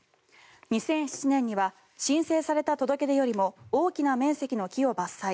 ２００７年には申請された届け出よりも大きな面積の木を伐採。